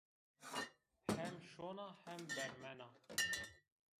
Hem şona hem bermena